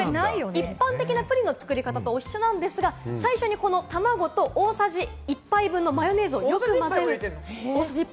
一般的なプリンの作り方と一緒なんですが最初にこの、たまごと大さじ１杯分のマヨネーズを混ぜる。